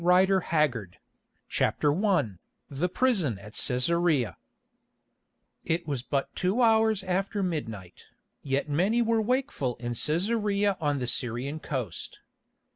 PEARL MAIDEN CHAPTER I THE PRISON AT CÆSAREA It was but two hours after midnight, yet many were wakeful in Cæsarea on the Syrian coast.